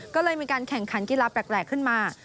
ก็เลยมีการแข่งขันกีฬาแปลกขึ้นมา